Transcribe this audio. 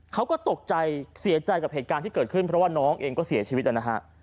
เขาก็ตกใจเสียใจกับเหตุการณ์ที่เกิดขึ้นเพราะว่าน้องเองก็เสียชีวิตนะฮะ